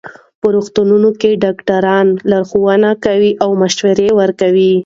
په روغتونونو کې ډاکټران لارښوونې کوي او مشوره ورکوي.